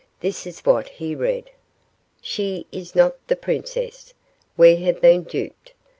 This is what he read: "She is not the princess. We have been duped.